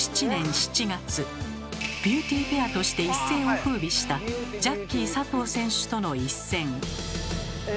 それは「ビューティ・ペア」として一世を風靡したジャッキー佐藤選手との一戦。